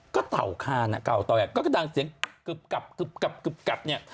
ก็เต่าค่านะเก่าเต่าเนี้ยก็ก็ดังเสียงกึบกับกึบกับกึบกัดเนี้ย